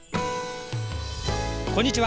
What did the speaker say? こんにちは。